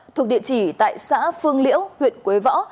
thuộc địa chỉ tại xã phương liễu huyện quế võ